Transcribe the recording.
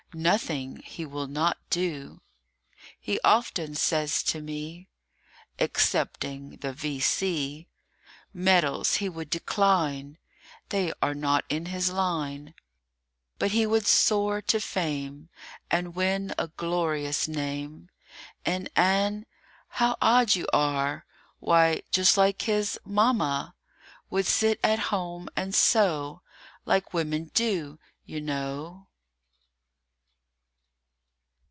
Nothing he will not do. He often says to me (Excepting the V.C.) Medals he would decline They are not in his line. BUT he would soar to fame And win a glorious name. And Ann? How odd you are! Why, just like his Mamma, Would sit at home and sew, Like women do, you know.